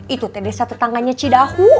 itu teh desa tetangganya cidahu